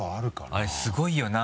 あれすごいよな！